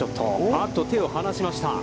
あっと、手を離しました。